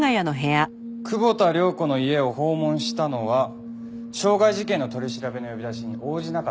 久保田涼子の家を訪問したのは傷害事件の取り調べの呼び出しに応じなかったからですね？